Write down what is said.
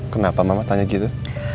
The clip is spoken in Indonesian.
kenapa mama tanya gitu